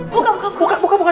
buka buka buka